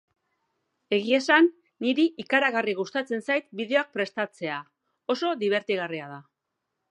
Egia esan niri ikaragarri gustatzen zait bideoak prestatzea, oso dibertigarria da.